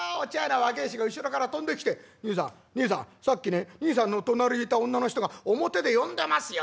若え衆が後ろから飛んできて『にいさんにいさんさっきねにいさんの隣にいた女の人が表で呼んでますよ』